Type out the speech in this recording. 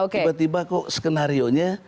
tiba tiba kok skenario nya